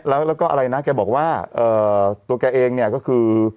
แล้วก็อะไรนะแกบอกว่าตัวแกเองเนี่ยก็คือ